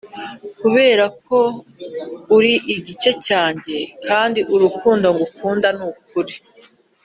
kuberako uri igice cyanjye kandi urukundo ngukunda nukuri.